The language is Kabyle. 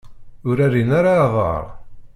Ur rrin ara aḍar.